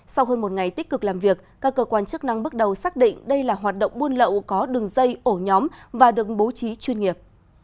sau hơn một ngày tích cực làm việc các cơ quan chức năng bước đầu xác định đây là hoạt động buôn lậu có đường dây ổ nhóm và được bố trí chuyên nghiệp